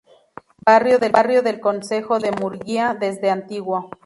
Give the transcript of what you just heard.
Barrio del concejo de Murguía desde antiguo.